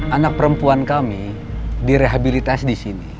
anak perempuan kami direhabilitas disini